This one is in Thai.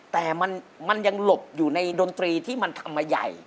แต่มันยังหลบอยู่ในดนตรีที่มันทำมาใหญ่